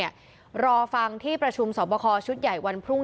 แต่เรายังไม่ใช่ว่าลดดับนะครับ